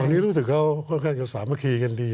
ตอนนี้รู้สึกเขาค่อนข้างจะสามัคคีกันดี